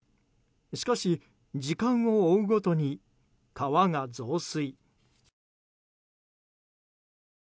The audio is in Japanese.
しかし、時間を追うごとに川が増水。